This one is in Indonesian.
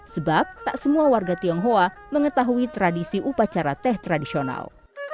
sebab tak semua warga tionghoa mengetahui tradisi upacara teh tradisional